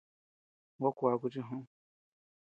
Gua kuaku chi joʼód.